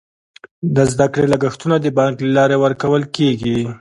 د زده کړې لګښتونه د بانک له لارې ورکول کیږي.